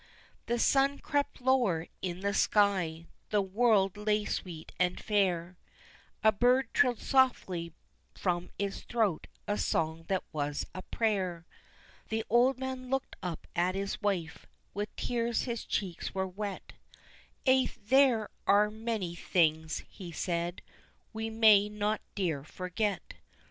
The sun crept lower in the sky, the world lay sweet and fair, A bird trilled softly from its throat a song that was a prayer. The old man looked up at his wife, with tears his cheeks were wet, "Ay, there are many things," he said, "we may not, dear, forget.